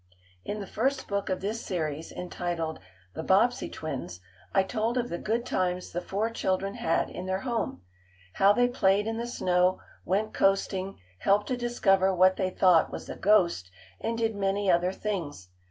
In the first book of this series, entitled "The Bobbsey Twins," I told of the good times the four children had in their home. How they played in the snow, went coasting, helped to discover what they thought was a "ghost," and did many other things.